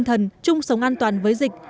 hẳn chung sống an toàn với dịch